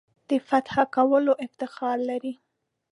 د فتح کولو افتخار لري.